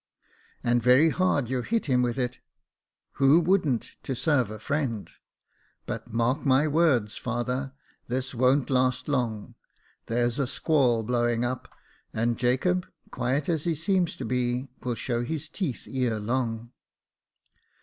And very hard you hit him with it." *♦ Who wouldn't to serve a friend ? But mark my words, father, this won't last long. There's a squall blowing up, and Jacob, quiet as he seems to be, will show his teeth ere long."